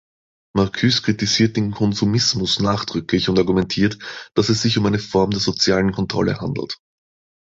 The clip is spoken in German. Marcuse kritisiert den Konsumismus nachdrücklich und argumentiert, dass es sich um eine Form der sozialen Kontrolle handelt.